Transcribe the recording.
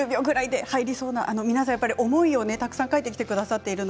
皆さん思いをたくさん書いてくださっています。